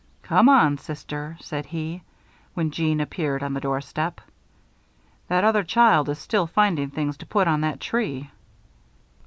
"Come on, Sister," said he, when Jeanne appeared on the doorstep. "That other child is still finding things to put on that tree."